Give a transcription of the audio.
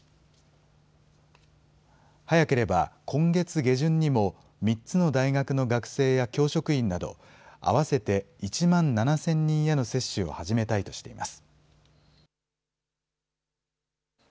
早ければ今月下旬にも、３つの大学の学生や教職員など、合わせて１万７０００人への接種を始めたいとしています。